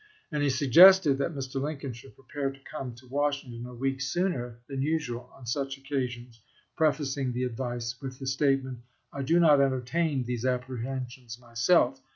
And he sug gested that Mr. Lincoln should prepare to come to Washington a week sooner than usual on such oc casions ; prefacing the advice with the statement, " I do not entertain these apprehensions myself."